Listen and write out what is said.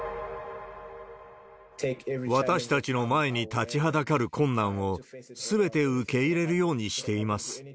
私たちの前に立ちはだかる困難を、すべて受け入れるようにしています。